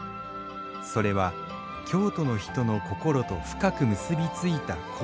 それは京都の人の心と深く結び付いた行為だったのです